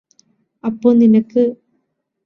അപ്പോ നിനക്ക്